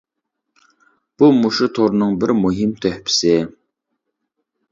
بۇ مۇشۇ تورنىڭ بىر مۇھىم تۆھپىسى.